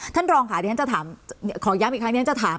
ท่านรองค่ะที่ท่านจะถามขอย้ำอีกครั้งนี้ท่านจะถาม